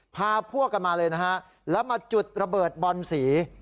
พาพวกกันมาเลยนะฮะแล้วมาจุดระเบิดบอนสี